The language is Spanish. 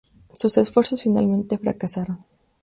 Sus esfuerzos finalmente fracasaron.